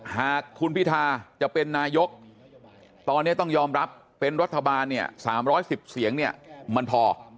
หากคุณพิทาจะเป็นนายกตอนนี้ต้องยอมรับเป็นรัฐบาลเนี่ย๓๑๐เสียงเนี่ยมันพอ